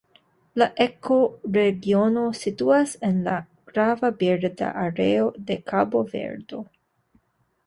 La ekoregiono situas en la grava birda areo de Kabo-Verdo.